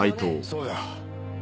そうだ。